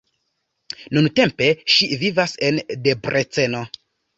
Nuntempe ŝi vivas en Debreceno.